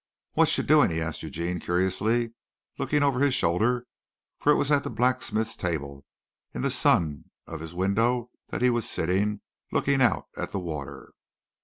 "Wotcha doin'?" he asked Eugene curiously, looking over his shoulder, for it was at the blacksmith's table, in the sun of his window that he was sitting, looking out at the water.